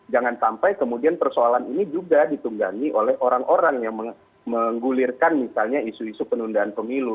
jangan sampai kemudian persoalan ini juga ditunggangi oleh orang orang yang menggulirkan misalnya isu isu penundaan pemilu